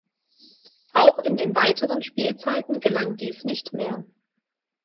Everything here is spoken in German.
Auch in den weiteren Spielzeiten gelang dies nicht mehr.